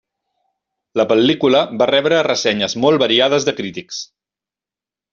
La pel·lícula va rebre ressenyes molt variades de crítics.